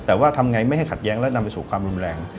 แต่ว่าทำไงไม่ให้ขัดแย้งและนำไปสู่ความรุนแรง